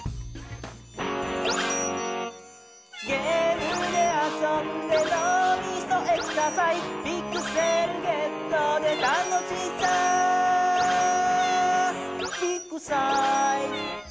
「ゲームであそんでのうみそエクササイズ」「ピクセルゲットでたのしさビッグサイズ」